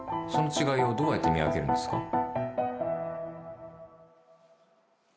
「その違いをどうやって見分けるんですか？」